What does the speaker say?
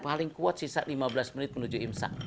paling kuat sisa lima belas menit menuju imsak